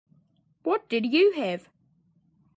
What did you have?